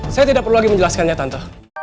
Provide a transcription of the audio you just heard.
saya tidak perlu lagi menjelaskannya tante